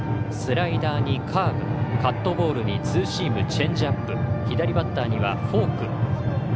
スライダーにカーブカットボールにツーシーム、チェンジアップ左バッターにはフォーク。